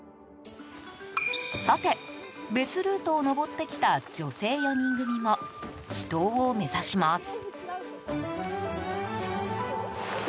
さて、別ルートを登ってきた女性４人組も秘湯を目指します。